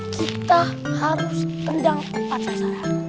kita harus tendang tepat sasaran